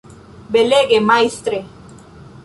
Belege, majstre!